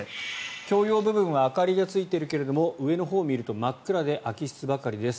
共用部分は明かりがついているけれども上のほうを見ると真っ暗で空き室ばかりです。